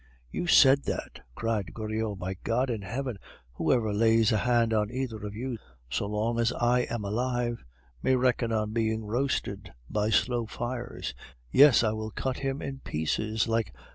"You said that!" cried Goriot. "By God in heaven, whoever lays a hand on either of you so long as I am alive may reckon on being roasted by slow fires! Yes, I will cut him in pieces like..."